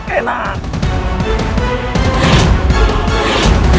aku tidak nyatakan ki